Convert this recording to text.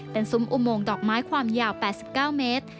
เป็นซุ้มอุโมงดอกไม้ความยาว๘๙เมตร